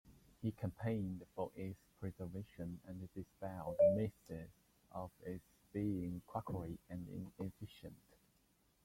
He campaigned for its preservation and dispelled myths of its being quackery and inefficient.